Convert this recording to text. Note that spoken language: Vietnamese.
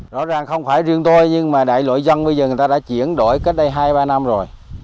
rõ ràng không phải riêng tôi nhưng mà đại lội dân bây giờ người ta đã chuyển đổi cách đây hai ba năm rồi